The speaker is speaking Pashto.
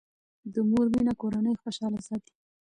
د مور مینه کورنۍ خوشاله ساتي.